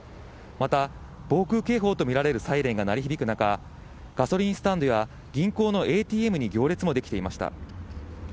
また、防空警報と見られるサイレンが鳴り響く中、ガソリンスタンドや銀行のＡＴＭに行列も出来ていました。